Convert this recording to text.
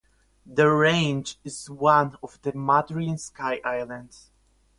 The range is one of the Madrean sky islands.